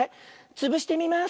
つぶしてみます。